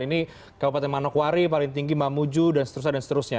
ini kabupaten manokwari paling tinggi mamuju dan seterusnya